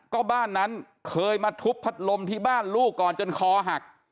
ก็บ้านนั้นเคยมาทุบพัดลมที่บ้านลูกก่อนจนคอหัก